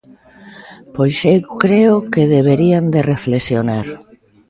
Pois eu creo que deberían de reflexionar.